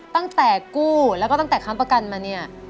ตั้งแต่กู้แล้วก็ตั้งแต่ค้ำประกันมาเนี่ย